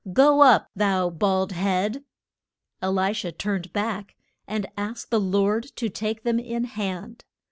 Go up, thou bald head! E li sha turned back, and asked the Lord to take them in hand.